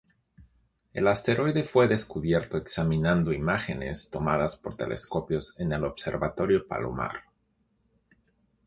El asteroide fue descubierto examinando imágenes tomadas por telescopios en el Observatorio Palomar.